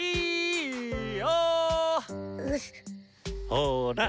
ほら。